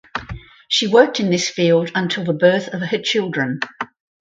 She worked in this field until the birth of her children.